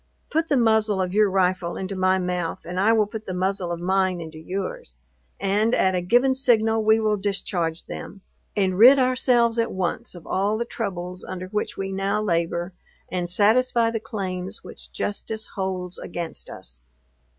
Put the muzzle of your rifle into my mouth, and I will put the muzzle of mine into yours, and at a given signal we will discharge them, and rid ourselves at once of all the troubles under which we now labor, and satisfy the claims which justice holds against us."